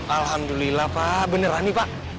alhamdulillah pak beneran nih pak